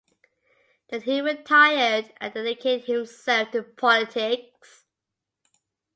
Then he retired and dedicated himself to politics.